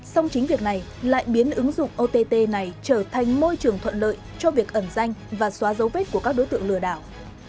song chính việc này lại biến ứng dụng ott này trở thành môi trường thuận lợi cho việc ẩn danh và xóa dấu vết của các đối tượng lừa đảo